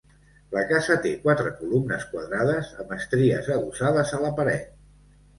La casa té quatre columnes quadrades amb estries adossades a la paret.